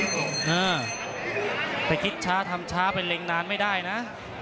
อ่าไปคิดช้าทำช้าไปเล็งนานไม่ได้นะ